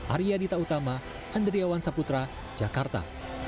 arya dita utama andriawan saputra jakarta